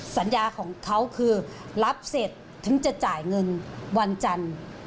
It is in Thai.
สัญญาของเขาคือรับเสร็จถึงจะจ่ายเงินวันจันทร์